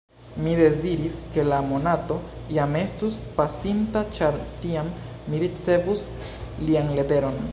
Mi deziris, ke la monato jam estus pasinta, ĉar tiam mi ricevus lian leteron.